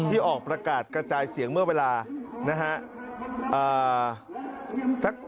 ที่ออกประกาศกระจายเสียงเมื่อเวลานะฮะ